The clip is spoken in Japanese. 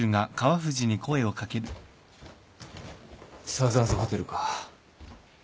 サウザンズホテルか。